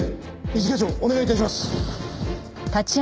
一課長お願い致します。